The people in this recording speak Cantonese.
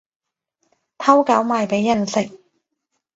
偷狗賣畀人食